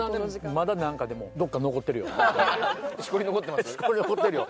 まだでもどっか残ってるよ。